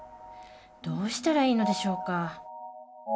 どうしたらいいのでしょうか